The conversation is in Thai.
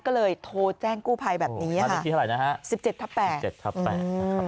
คล้องงูมานี้ขึ้นที่สิบเจ็บทับแปล